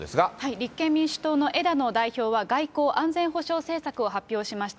立憲民主党の枝野代表は、外交・安全保障政策を発表しました。